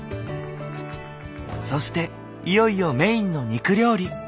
そしていよいよメインの肉料理。